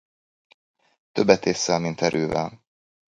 Többet ésszel, mint erővel.